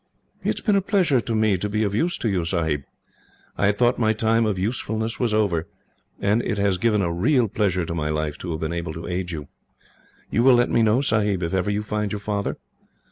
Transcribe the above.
"It has been a pleasure, to me, to be of use to you, Sahib. I had thought my time of usefulness was over, and it has given a real pleasure to my life to have been able to aid you. You will let me know, Sahib, if ever you find your father?"